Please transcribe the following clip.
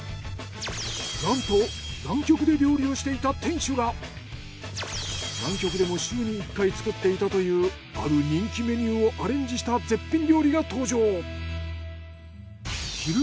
なんと南極で料理をしていた店主が南極でも週に１回作っていたというある人気メニューをアレンジした絶品料理が登場。